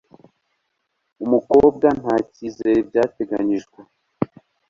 umukobwa ntakizera ibyateganijwe